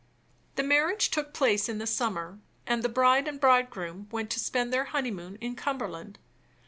The marriage took place in the summer, and the bride and bridegroom went to spend their honeymoon in Cumberland.